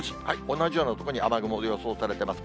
同じような所に雨雲予想されてます。